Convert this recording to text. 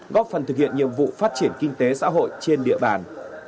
góp phần thực hiện nhiệm vụ phát triển kinh tế xã hội trên địa bàn